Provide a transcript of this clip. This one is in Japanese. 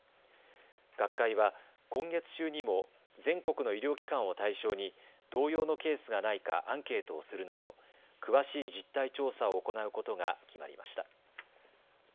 学会は今月中にも全国の医療機関を対象に同様のケースがないかアンケートをするなど詳しい実態調査を行うことが決まりました。